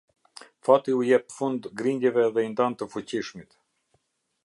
Fati u jep fund grindjeve dhe i ndan të fuqishmit.